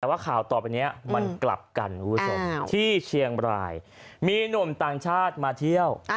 แต่ว่าข่าวต่อไปนี้มันกลับกันคุณผู้ชมที่เชียงบรายมีหนุ่มต่างชาติมาเที่ยว